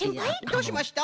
どうしました？